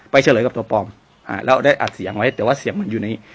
เฉลยกับตัวปลอมอ่าแล้วได้อัดเสียงไว้แต่ว่าเสียงมันอยู่ใน